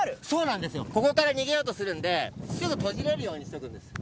そうなんですよ、ここから逃げようとするんで、すぐ途切れるようにしておくんだ。